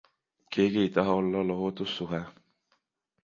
Keegi ei taha olla lohutus-suhe.